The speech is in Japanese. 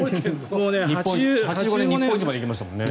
８５年日本一まで行きましたもんね。